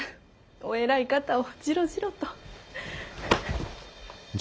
お偉い方をじろじろと。